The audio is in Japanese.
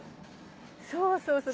そうそうそう。